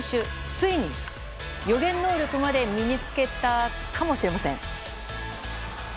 ついに予言能力まで身に付けたかもしれません。